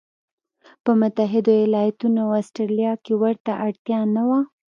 په متحدو ایالتونو او اسټرالیا کې ورته اړتیا نه وه.